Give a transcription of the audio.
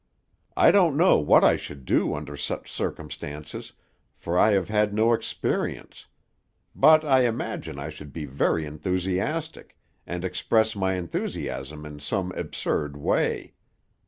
I don't know what I should do under such circumstances, for I have had no experience; but I imagine I should be very enthusiastic, and express my enthusiasm in some absurd way.